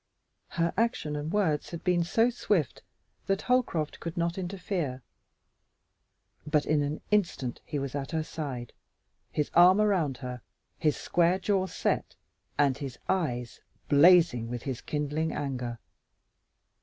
Her action and words had been so swift that Holcroft could not interfere, but in an instant he was at her side, his arm around her, his square jaw set, and his eyes blazing with his kindling anger.